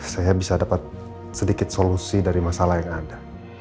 saya bisa dapat sedikit solusi dari masalah yang ada